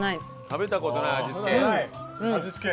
食べた事ない味付け？